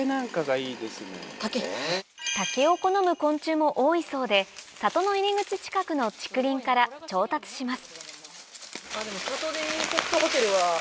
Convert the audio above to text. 竹を好む昆虫も多いそうで里の入り口近くの竹林から調達します